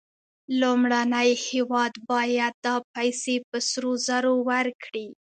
لومړنی هېواد باید دا پیسې په سرو زرو ورکړي